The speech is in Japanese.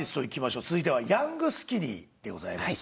続いてはヤングスキニーでございます。